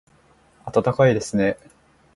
暖かいですね